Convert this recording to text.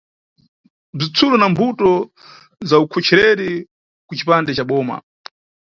Bzitsulo na Mbuto za ukhochereri kucipande ca boma.